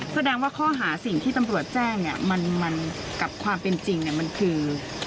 แสดงว่าข้อหาสิ่งที่ตำรวจแจ้งเนี่ยมันกับความเป็นจริงมันคือ